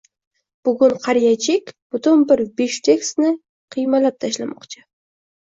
Bugun Qariya Jek butun bir "Bifshteks"ni kiymalab tashlamoqchi